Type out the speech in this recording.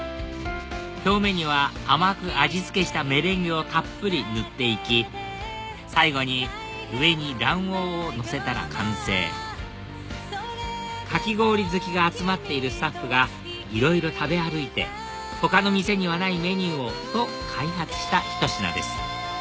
表面には甘く味付けしたメレンゲをたっぷり塗って行き最後に上に卵黄をのせたら完成かき氷好きが集まっているスタッフがいろいろ食べ歩いて他の店にはないメニューをと開発したひと品です